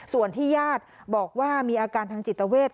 ส่วนที่ญาติบอกว่ามีอาการทางจิตเวท